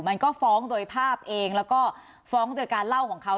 มันก็ฟ้องโดยภาพเองแล้วก็ฟ้องโดยการเล่าของเขา